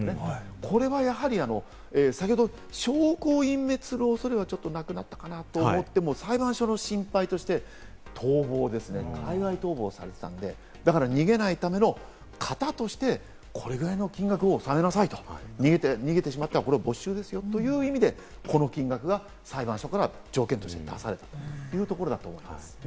これはやはり先ほど証拠隠滅の恐れがなくなってきたなと思っても、裁判所の心配として逃亡ですね、海外逃亡があるので逃げないためのかたとして、これぐらいの金額を納めなさいと逃げてしまったら、これ没収ですよという意味で、この金額が裁判所から条件として出されたということだと思います。